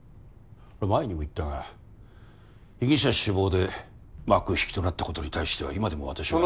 前にも言ったが被疑者死亡で幕引きとなったことに対しては今でも私は。